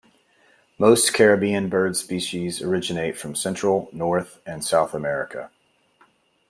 Most Caribbean bird species originate from Central, North and South America.